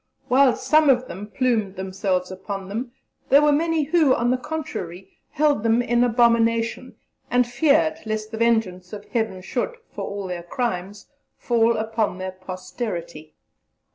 While some of them plumed themselves upon them, there were many who, on the contrary, held them in abomination, and feared lest the vengeance of Heaven should, for all their crimes, fall upon their posterity."